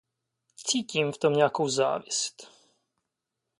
Cítím v tom nějakou závist!